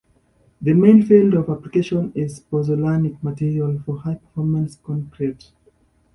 The main field of application is as pozzolanic material for high performance concrete.